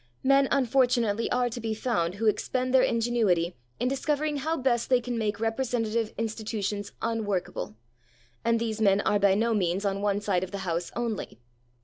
Men, unfortunately, are to be found who expend their ingenuity in discovering how best they can make representative institutions unworkable, and these men are by no means on one side of the House only.